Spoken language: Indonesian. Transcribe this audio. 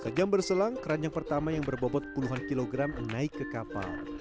sejam berselang keranjang pertama yang berbobot puluhan kilogram naik ke kapal